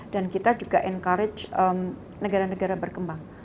dan kita juga encourage negara negara berkembang